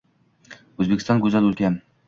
O‘zbekiston go‘zal o‘lkam